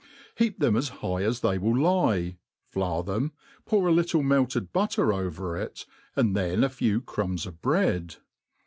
Heap them as high as they will lie, flour them, pour a little melted butter over It, and then a few crumbs of b^ead.